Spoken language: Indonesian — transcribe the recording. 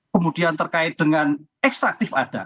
kemudian terkait dengan ekstraktif ada